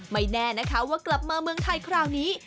ไม่แน่นะคะว่ากลับมาเมืองไทยคราวนี้